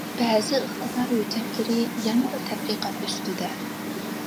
بەزى ئىقتىدار ھۆججەتلىرى يەنىلا تەتقىقات ئۈستىدە.